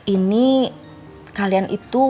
ini kalian itu